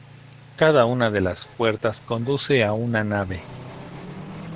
Cada una de las puertas conduce a una nave.